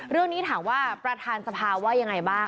เรื่องนี้ถามว่าประธานสภาว่ายังไงบ้าง